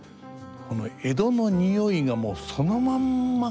この江戸のにおいがもうそのまんま